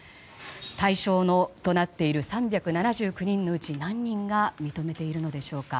対象となっている３７９人のうち何人が認めているのでしょうか。